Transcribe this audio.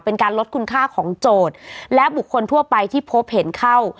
เป็นการลดคุณค่าของโจทย์และบุคคลทั่วไปที่พบเห็นเข้า